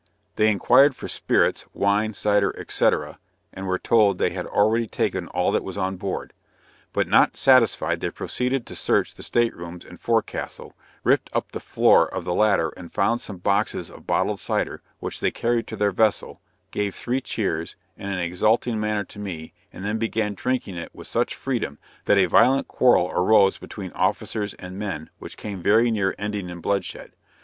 They inquired for spirits, wine, cider, &c. and were told "they had already taken all that was on board." But not satisfied they proceeded to search the state rooms and forcastle, ripped up the floor of the later and found some boxes of bottled cider, which they carried to their vessel, gave three cheers, in an exulting manner to me, and then began drinking it with such freedom, that a violent quarrel arose between officers and men, which came very near ending in bloodshed.